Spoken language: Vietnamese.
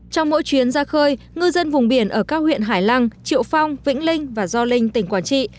trong mỗi chuyến ra khơi ngư dân vùng biển ở các huyện hải lăng triệu phong vĩnh linh và gio linh tỉnh quảng trị